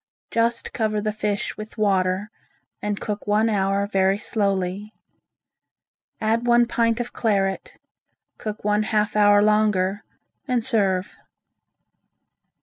Just cover the fish with water and cook one hour very slowly. Add one pint of claret, cook one half hour longer and serve.